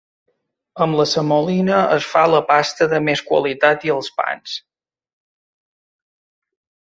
Amb la semolina es fa la pasta de més qualitat i els pans.